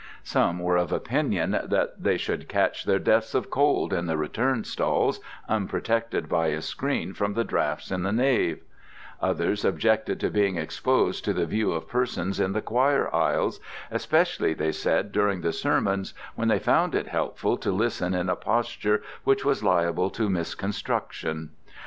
Some were of opinion that they should catch their deaths of cold in the return stalls, unprotected by a screen from the draughts in the nave: others objected to being exposed to the view of persons in the choir aisles, especially, they said, during the sermons, when they found it helpful to listen in a posture which was liable to misconstruction.